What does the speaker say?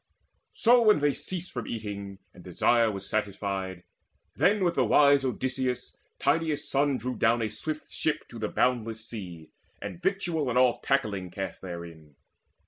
So when they ceased From eating, and desire was satisfied, Then with the wise Odysseus Tydeus' son Drew down a swift ship to the boundless sea, And victual and all tackling cast therein.